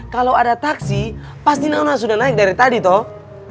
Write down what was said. kalau ada taksi pasti nama sudah naik dari tadi toh